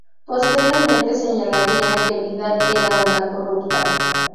Posteriormente señalaría que Vidal era una corrupta.